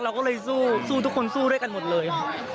เราก็เลยสู้ทุกคนสู้ด้วยกันหมดเลย